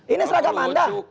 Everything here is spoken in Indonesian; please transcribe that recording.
ini seragam anda